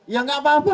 ya tidak apa apa